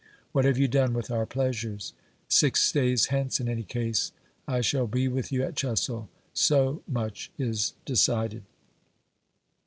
What have you done with our pleasures? Six days hence, in any case, I shall be with you at Chessel : so much is decided.